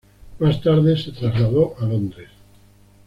Más tarde se trasladó a Londres.